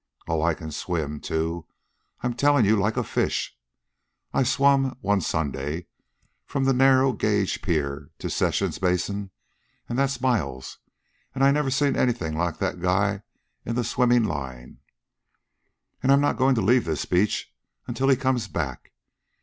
Oh, I can swim, too, I'm tellin' you, like a fish I swum, one Sunday, from the Narrow Gauge Pier to Sessions' Basin, an' that's miles but I never seen anything like that guy in the swimmin' line. An' I'm not goin' to leave this beach until he comes back.